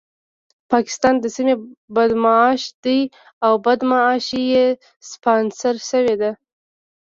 پاکستان د سيمې بدمعاش دی او بدمعاشي يې سپانسر شوې ده.